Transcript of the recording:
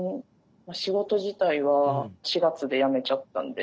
仕事自体は４月で辞めちゃったんで。